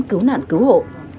cứu nạn cứu hộ